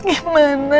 aku harus gimana